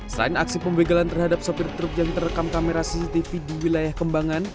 selain aksi pembegalan terhadap sopir truk yang terekam kamera cctv di wilayah kembangan